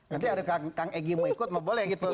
nanti ada kang egy mau ikut mau boleh gitu loh